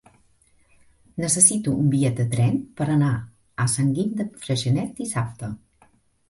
Necessito un bitllet de tren per anar a Sant Guim de Freixenet dissabte.